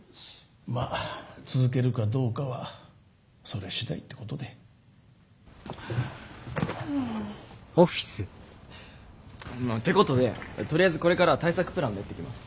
まあ続けるかどうかはそれ次第ってことで。ってことでとりあえずこれから対策プランを練っていきます。